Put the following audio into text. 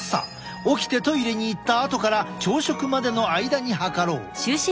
起きてトイレに行ったあとから朝食までの間に測ろう。